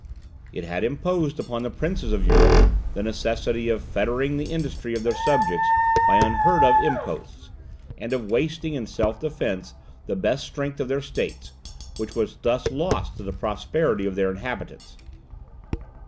It had imposed upon the princes of Europe the necessity of fettering the industry of their subjects by unheard of imposts; and of wasting in self defence the best strength of their states, which was thus lost to the prosperity of their inhabitants.